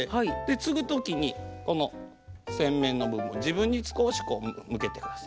つぐ時にこの扇面の部分を自分に少しこう向けてください。